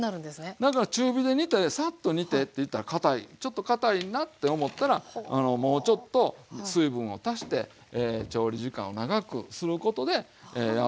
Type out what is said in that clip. だから中火で煮てさっと煮てっていったらかたいちょっとかたいなって思ったらもうちょっと水分を足して調理時間を長くすることで柔らかくもできますよね。